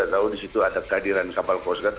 kita tahu di situ ada kehadiran kapal poskat